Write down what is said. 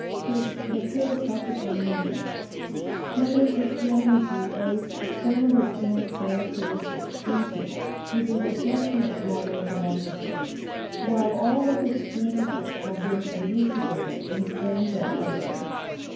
19 12). III. THE PHILOSOPHICAL MOVEMENT Modern Christianity owes some of its most characteristic principles to the reflection of modern philosophers, while all of its principles have been elucidated and strengthened by them.